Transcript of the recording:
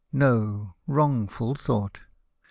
No — wrongful thought !